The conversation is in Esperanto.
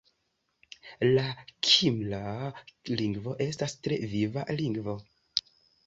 La kimra lingvo estas tre viva lingvo.